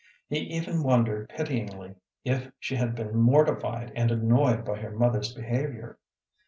He even wondered, pityingly, if she had been mortified and annoyed by her mother's behavior.